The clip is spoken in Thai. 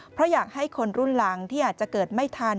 เพราะอยากให้คนรุ่นหลังที่อาจจะเกิดไม่ทัน